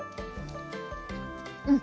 うん！